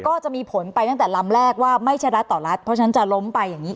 ก็จะมีผลไปตั้งแต่ลำแรกว่าไม่ใช่รัฐต่อรัฐเพราะฉะนั้นจะล้มไปอย่างนี้